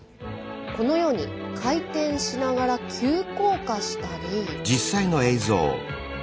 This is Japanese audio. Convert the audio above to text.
このように回転しながら急降下したり。